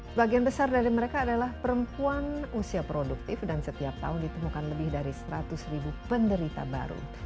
sebagian besar dari mereka adalah perempuan usia produktif dan setiap tahun ditemukan lebih dari seratus ribu penderita baru